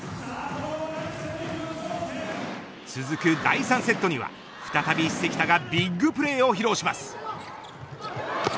続く第３セットには再び関田がビッグプレーを披露します。